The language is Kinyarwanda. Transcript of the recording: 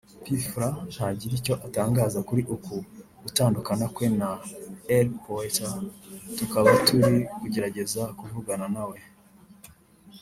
P Fla ntaragira icyo atangaza kuri uku gutandukana kwe na El Poeta tukaba turi kugerageza kuvugana nawe